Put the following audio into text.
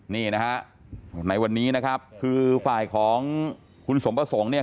นี่นะฮะในวันนี้นะครับคือฝ่ายของคุณสมประสงค์เนี่ย